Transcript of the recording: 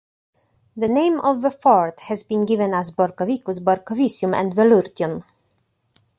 The name of the fort has been given as Borcovicus, Borcovicium, and Velurtion.